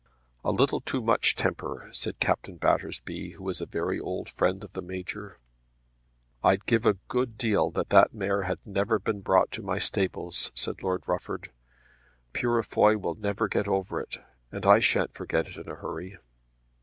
"A little too much temper," said Captain Battersby, who was a very old friend of the Major. "I'd give a good deal that that mare had never been brought to my stables," said Lord Rufford. "Purefoy will never get over it, and I shan't forget it in a hurry."